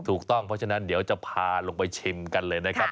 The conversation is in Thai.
ถูกต้องเพราะฉะนั้นเดี๋ยวจะพาลงไปชิมกันเลยนะครับ